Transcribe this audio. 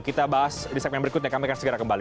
kita bahas di segmen berikutnya kami akan segera kembali